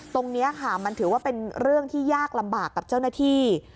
ตรงนี้ค่ะมันถือว่าเป็นเรื่องที่ยากลำบากกับเจ้าหน้าที่